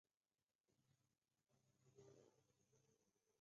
此祠收纳死于海难与战火的琉球人等外国籍遗骸。